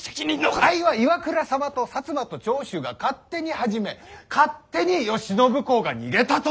あいは岩倉様と摩と長州が勝手に始め勝手に慶喜公が逃げたと。